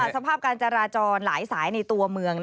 สภาพการจราจรหลายสายในตัวเมือง